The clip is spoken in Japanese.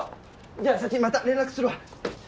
じゃあサチまた連絡するわ。